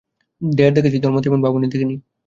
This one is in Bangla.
ঢের দেখেছি, তোর মতো এমন ভাবুনে দেখি নি।